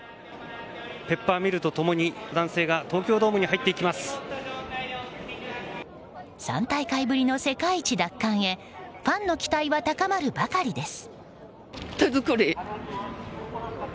ペッパーミルと共に男性が東京ドームに３大会ぶりの世界一奪還へファンの期待は高まるばかりです。